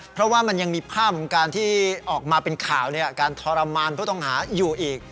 เพราะว่ามันยังมีภาพของการที่ออกมาเป็นข่าวการทรมานผู้ต้องหาอยู่อีก